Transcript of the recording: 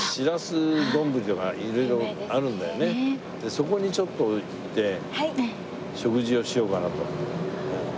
そこにちょっと行って食事をしようかなと。